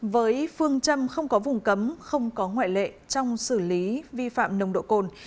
với phương châm không có vùng cấm không có ngoại lệ trong xử lý vi phạm nồng độ cồn